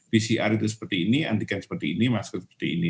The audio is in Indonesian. pcr itu seperti ini antigen seperti ini masker seperti ini